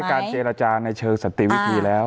การเจรจาในเชิงสันติวิธีแล้ว